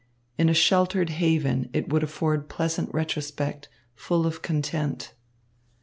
In a sheltered haven it would afford pleasant retrospect, full of content.